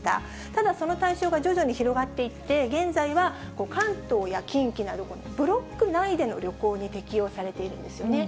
ただ、その対象が徐々に広がっていって、現在は関東や近畿などブロック内での旅行に適用されているんですよね。